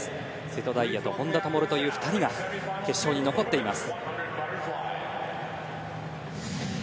瀬戸大也と本多灯という２人が決勝に残っています。